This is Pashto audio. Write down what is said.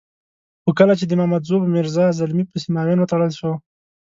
خو کله چې د مامدزو په میرزا زلمي پسې معاون وتړل شو.